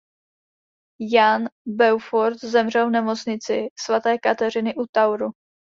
Jan Beaufort zemřel v nemocnici Svaté Kateřiny u Toweru.